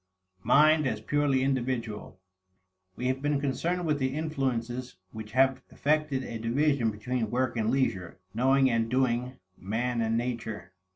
Mind as Purely Individual. We have been concerned with the influences which have effected a division between work and leisure, knowing and doing, man and nature.